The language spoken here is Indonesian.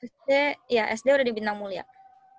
sd ya sd udah di bintang mulia